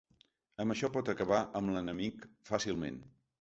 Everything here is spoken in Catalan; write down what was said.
Amb això pot acabar amb l'enemic fàcilment.